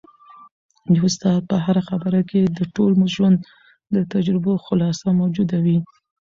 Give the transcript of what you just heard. د استاد په هره خبره کي د ټول ژوند د تجربو خلاصه موجوده وي.